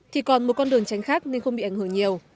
thì còn một con đường tránh khác nên không bị ảnh hưởng nhiều